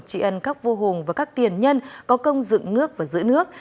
trị ân các vô hùng và các tiền nhân có công dựng nước và giữ nước